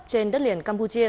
trên đất liền campuchia